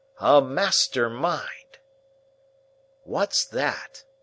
A master mind." "What's that?"